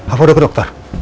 apa udah ke dokter